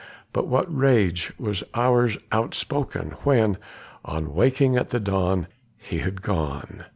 but what rage was ours outspoken When, on waking at the dawn, he had gone.